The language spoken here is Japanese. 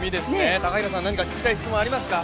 何か聞きたい質問ありますか？